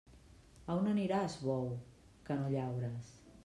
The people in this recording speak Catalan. A on aniràs, bou, que no llaures?